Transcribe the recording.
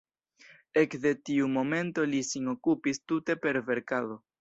Ekde tiu momento li sin okupis tute per verkado.